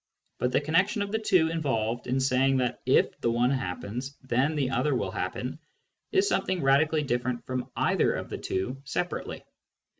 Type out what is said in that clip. But the connection of the two involved in saying that if the one happens, then the other will happen, is something radically different from either of the two separately.